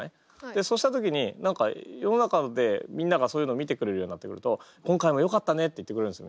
そうした時に何か世の中でみんながそういうのを見てくれるようになってくると「今回もよかったね」って言ってくれるんですよ